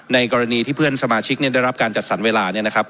ในกรณีที่เพื่อนสมาชิกเนี่ยได้รับการจัดสรรเวลาเนี่ยนะครับ